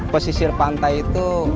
pesisir pantai itu